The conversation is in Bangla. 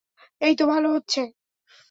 এইতো, ভালো হচ্ছে।